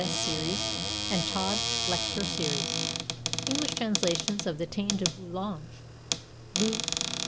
Series and Todd Lecture Series). English translations: of the Táin Bó Cúalnge (LU.